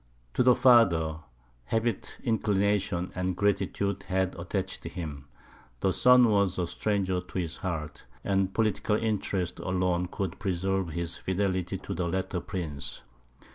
To the father, habit, inclination, and gratitude had attached him; the son was a stranger to his heart, and political interests alone could preserve his fidelity to the latter prince.